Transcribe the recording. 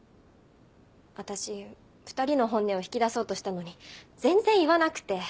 私２人の本音を引き出そうとしたのに全然言わなくて。